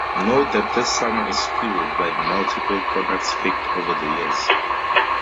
Note that this number is skewed by the multiple products picked over the years.